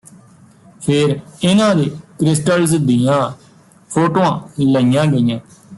ਫੇਰ ਇਨ੍ਹਾਂ ਦੇ ਕ੍ਰਿਸਟਲਜ਼ ਦੀਆਂ ਫੋਟੋਆਂ ਲਈਆਂ ਗਈਆਂ